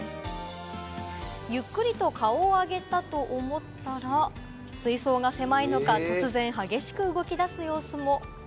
ゆっくりと顔を上げたと思ったら、水槽が狭いのか、突然激しく動き出す様子も。